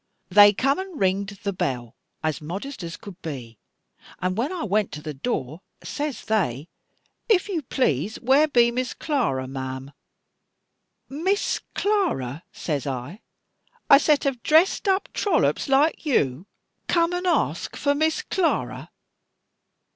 "They come and ringed the bell, as modest as could be; and when I went to the door, says they, 'If you please, where be Miss Clara, ma'am?' 'Miss Clara!' says I, 'a set of dressed up trollops like you, come and ask for Miss Clara!